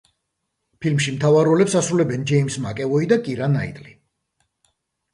ფილმში მთავარ როლებს ასრულებენ ჯეიმზ მაკევოი და კირა ნაიტლი.